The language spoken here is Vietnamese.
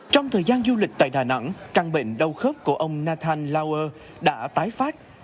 trong thời gian du lịch tại đà nẵng căn bệnh đau khớp của ông nathan lauer đã tái phát